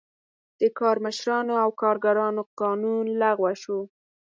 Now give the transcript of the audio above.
د کارمشرانو او کارګرانو قانون لغوه شو.